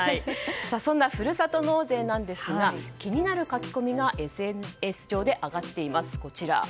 そんなふるさと納税ですが気になる書き込みがＳＮＳ上で上がっています。